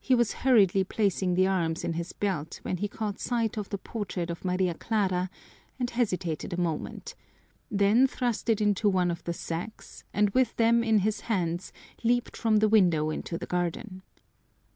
He was hurriedly placing the arms in his belt when he caught sight of the portrait of Maria Clara and hesitated a moment, then thrust it into one of the sacks and with them in his hands leaped from the window into the garden.